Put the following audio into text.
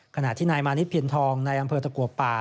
ขณะที่นายมานิดเพียนทองในอำเภอตะกัวป่า